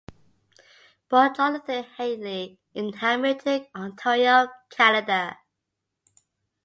Born Jonathan Hatley in Hamilton, Ontario, Canada.